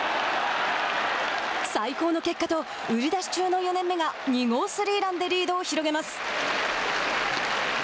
「最高の結果」と売り出し中の４年目が２号スリーランでリードを広げます。